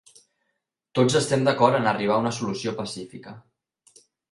Tots estem d'acord en arribar a una solució pacífica.